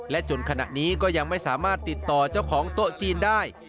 จนขณะนี้ก็ยังไม่สามารถติดต่อเจ้าของโต๊ะจีนได้